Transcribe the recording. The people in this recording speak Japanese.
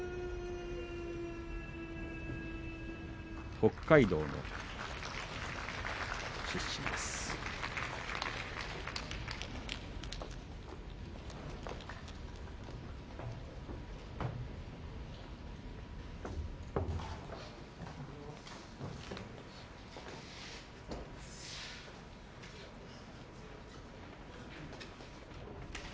北海道の出身です、一山本。